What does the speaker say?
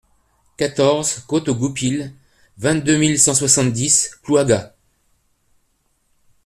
quatorze côte aux Goupils, vingt-deux mille cent soixante-dix Plouagat